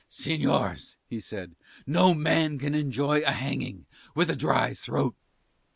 "Señores," he said, "no man can enjoy a hanging with a dry throat."